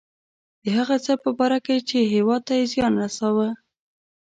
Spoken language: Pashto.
د هغه څه په باره کې چې هیواد ته یې زیان رساوه.